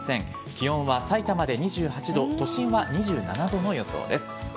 気温はさいたまで２８度都心は２７度の予想です。